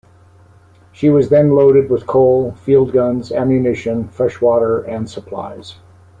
She was then loaded with coal, field guns, ammunition, fresh water, and supplies.